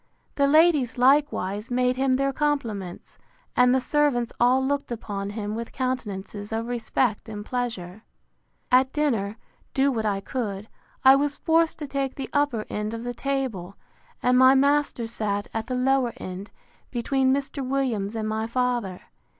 The ladies, likewise, made him their compliments; and the servants all looked upon him with countenances of respect and pleasure. At dinner, do what I could, I was forced to take the upper end of the table; and my master sat at the lower end, between Mr. Williams and my father.